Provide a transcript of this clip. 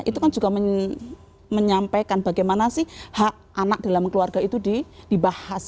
itu kan juga menyampaikan bagaimana sih hak anak dalam keluarga itu dibahas